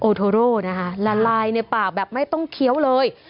โทโร่นะคะละลายในปากแบบไม่ต้องเคี้ยวเลย